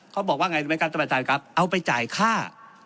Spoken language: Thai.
เขาบอกว่าไงรู้ไหมครับท่านประธานครับเอาไปจ่ายค่า